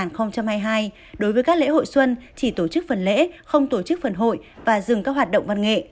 đối với các lễ hội xuân chỉ tổ chức phần lễ không tổ chức phần hội và dừng các hoạt động văn nghệ